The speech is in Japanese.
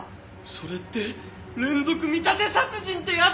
それって連続見立て殺人ってやつ！？